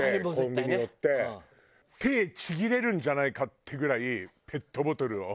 手ちぎれるんじゃないかっていうぐらいペットボトルを。